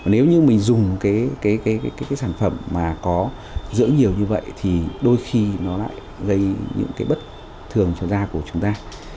nếu như mình dùng cái sản phẩm mà có dưỡng nhiều như vậy thì đôi khi nó lại gây những cái bất thường cho da của chúng ta